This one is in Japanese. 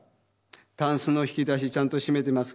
タンスの引き出しちゃんと閉めてますか。